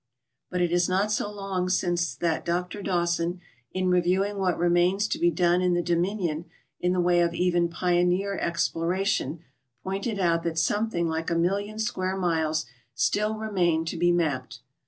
But it is not so long since that Dr l)awsi)n, in reviewing what remains to be done in the Dominion in the way of even pioneer exploration, pointed out that something like a million square miles still remained to be mapped.